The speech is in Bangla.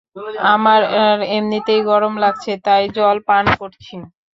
আমার এমনিতেই গরম লাগছে, তাই জল পান করছি।